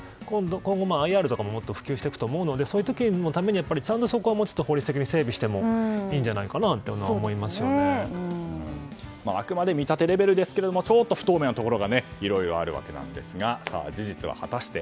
今後、ＩＲなどももっと普及すると思うのでそういう時のためにもうちょっと法律的に整備してもいいんじゃないかとあくまで見立てレベルですがちょっと不透明なところがいろいろあるわけですが事実は果たして。